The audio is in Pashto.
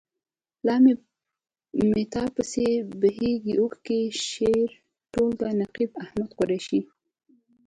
لا به مې تا پسې بهیږي اوښکې. شعري ټولګه. نقيب احمد قریشي.